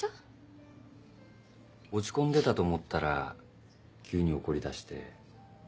落ち込んでたと思ったら急に怒りだして。